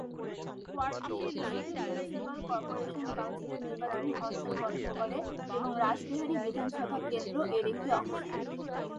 ওয়ার্ডটি একটি city municipal corporation কাউন্সিলের নির্বাচনী অঞ্চল গঠন করে এবং রাসবিহারী বিধানসভা কেন্দ্র এর একটি অংশ।